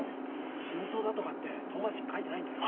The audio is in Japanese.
死にそうだとかって遠回しに書いてないんですか？